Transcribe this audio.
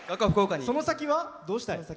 その先はどうしたいですか？